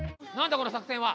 この作戦は？